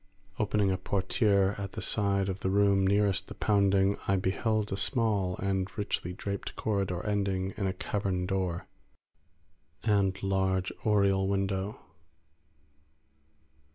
Opening a portiere at the side of the room nearest the pounding, I beheld a small and richly draped corridor ending in a carven door and large oriel window.